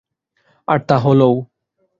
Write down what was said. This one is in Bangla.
আর তা হলও।